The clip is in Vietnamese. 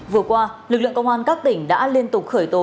vừa qua lực lượng công an các tỉnh đã liên tục khởi tố